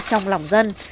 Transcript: trong lòng dân